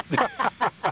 ハハハハ。